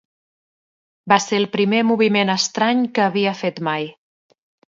Va ser el primer moviment estrany que havia fet mai.